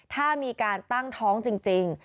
ถ้ามีการตั้งท้องจริง